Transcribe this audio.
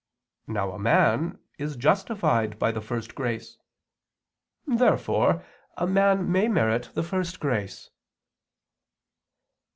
Now a man is justified by the first grace. Therefore a man may merit the first grace.